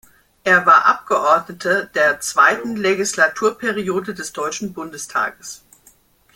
Er war Abgeordneter der zweiten Legislaturperiode des Deutschen Bundestags.